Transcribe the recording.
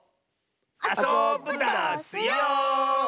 あそぶダスよ！